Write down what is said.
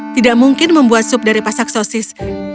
tidak mungkin membuat sup dari pasak sosis